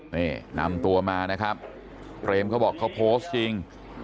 นี่นำตัวมานะครับเปรมเขาบอกเขาโพสต์จริง